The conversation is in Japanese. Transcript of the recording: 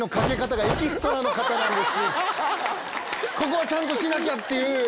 ここはちゃんとしなきゃ！っていう。